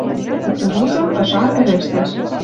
Кукурузын ыжар ӹлӹштӓш